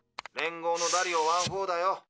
連合のダリオ−１４だよ。